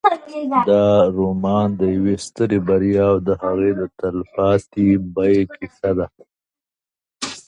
دا رومان د یوې سترې بریا او د هغې د تلپاتې بیې کیسه ده.